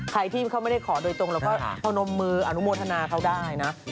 ใครที่เขาไม่ได้ขอโดยตรงเราก็พนมมืออนุโมทนาเขาได้นะ